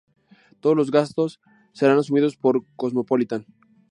Todos los gastos serán asumidos por Cosmopolitan.